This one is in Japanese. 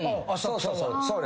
そうそう。